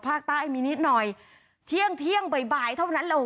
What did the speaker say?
ภาคใต้มีนิดหน่อยเที่ยงเที่ยงบ่ายเท่านั้นแหละ